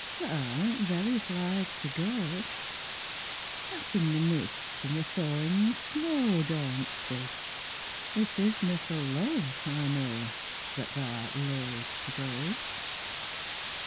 Tha arena very flig to go, 'Appen the mist from the thawin' snow Daunts thee it isna for love, I know, That tha'rt loath to go.